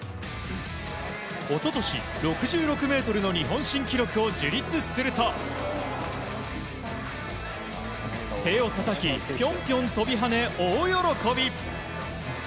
一昨年、６６ｍの日本新記録を樹立すると手をたたきピョンピョン跳びはね、大喜び。